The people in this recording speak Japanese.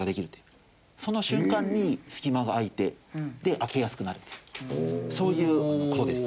その瞬間に隙間が開いてで開けやすくなるとそういう事です。